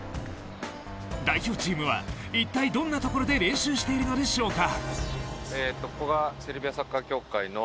代表チームは一体どんなところで練習しているのでしょうか。